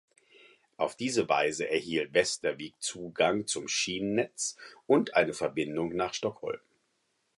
Auf diese Weise erhielt Västervik Zugang zum Schienennetz und eine Verbindung nach Stockholm.